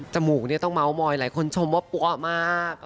จมูกเนี่ยต้องม้าวมอยหลายคนชมว่าปวะมาก